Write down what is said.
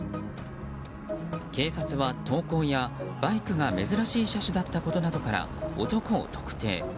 警察は投稿から珍しい車種だったことなどから男を特定。